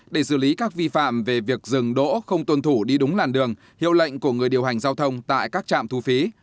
để xử lý các vi phạm về việc dừng đỗ không tuân thủ đi đúng làn đường hiệu lệnh của người điều hành giao thông tại các trạm thu phí